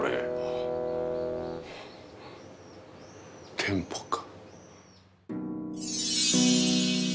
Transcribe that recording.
テンポか。